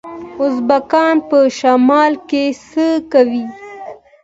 ازبکان په شمال کې څه کوي؟